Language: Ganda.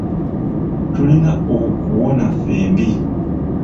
Tulina okuwona ffembi.